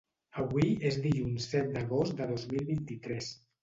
Avui és dilluns set d'agost de dos mil vint-i-tres